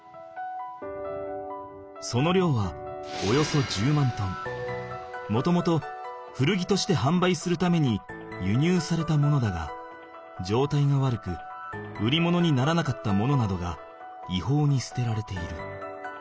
その量はもともと古着としてはんばいするためにゆにゅうされたものだがじょうたいが悪く売り物にならなかったものなどがいほうに捨てられている。